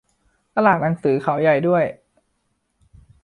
ตลาดหนังสือเขาใหญ่ด้วย